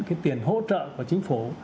cái tiền hỗ trợ của chính phủ